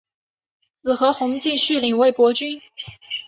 子何弘敬续领魏博军。